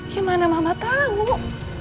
gimana mama tau